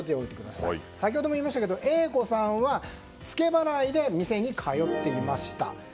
先ほども言いましたがＡ子さんはツケ払いで店に通っていました。